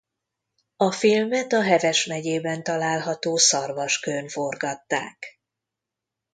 A filmet a Heves megyében található Szarvaskőn forgatták.